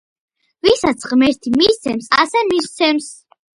ვისაც ღმერთი მისცემს ასე მისცემს